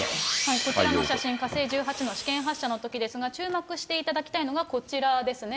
こちらの写真、火星１８の試験発射のときですが、注目していただきたいのが、こちらですね。